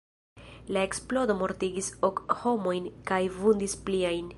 La eksplodo mortigis ok homojn kaj vundis pliajn.